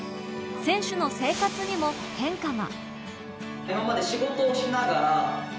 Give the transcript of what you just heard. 選手の生活にも変化が。